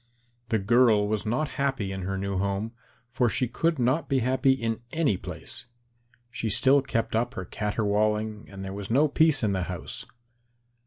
The girl was not happy in her new home, for she would not be happy in any place. She still kept up her caterwauling and there was no peace in the house.